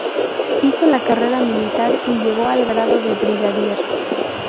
Hizo la carrera militar y llegó al grado de brigadier.